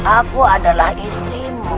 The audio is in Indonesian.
aku adalah istrimu